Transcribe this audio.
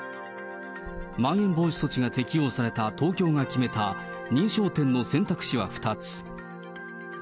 まん延防止措置が適用された東京が決めた認証店の選択肢は２つ。